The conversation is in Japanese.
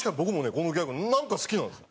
このギャグなんか好きなんですよ。